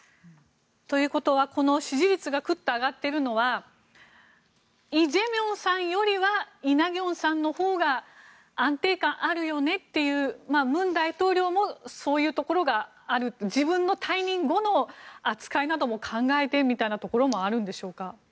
ということは支持率が上がっているのはイ・ジェミョンさんよりはイ・ナギョンさんのほうが安定感あるよねという文大統領もそういうところがある自分の退任後の扱いも考えてみたいなところもあるんでしょうか。